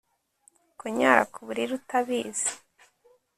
kunyara kuburiri utabizi